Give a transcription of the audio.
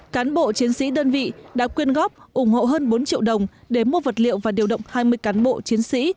cán bộ chiến sĩ đơn vị đã quyên góp ủng hộ hơn bốn triệu đồng để mua vật liệu và điều động hai mươi cán bộ chiến sĩ